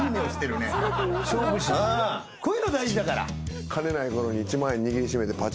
こういうの大事だから。